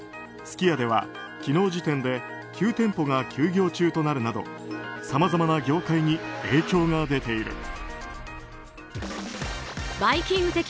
すき家では昨日時点で９店舗が休業中となるなどさまざまな業界に影響が出ている。